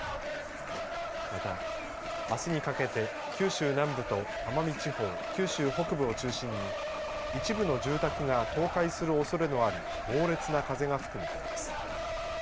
また、あすにかけて九州南部と奄美地方九州北部を中心に一部の住宅が倒壊するおそれのある猛烈な風が吹く見込みです。